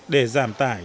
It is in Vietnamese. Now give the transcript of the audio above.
để giảm tải